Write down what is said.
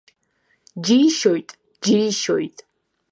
Џьишьоит, џьишьоит.